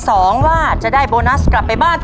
รอสาร๑๐๐กิโลกลัมรึข้าว